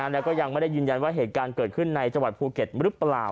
แล้วก็ยังไม่ได้ยืนยันว่าเหตุการณ์เกิดขึ้นในจังหวัดภูเก็ตหรือเปล่า